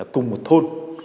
cùng một thôn